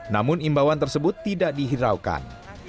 namun imbauan tersebut tidak dihiraukan